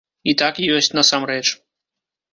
І так ёсць насамрэч.